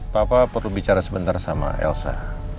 papa perlu bicara sebentar sama elsa